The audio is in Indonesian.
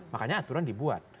makanya aturan dibuat